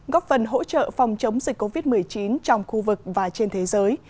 góp phần hỗ trợ phòng chống dịch covid một mươi chín trong khu vực và trên thế giới